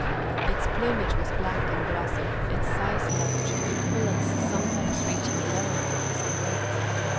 Its plumage was black and glossy, its size large, pullets sometimes reaching 11 pounds in weight.